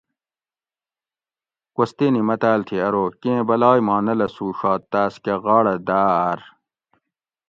"کوستینی متاۤل تھی ارو ""کیں بلائ ما نہ لسوڛات تہ تاس کہ غاڑہ داۤ اۤر"""